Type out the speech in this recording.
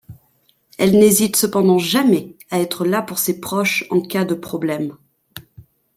Elle n’hésite cependant jamais à être la pour ses proche en cas de problème.